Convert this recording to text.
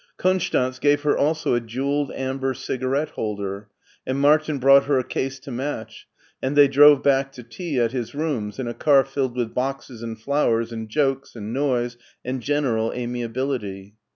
Konstanz gave her also a jewelled amber cigarette holder, and Martin bought her a case to match, and they drove back to tea at his rooms in a car filled with boxes and flowers and jokes and noise and general amiability.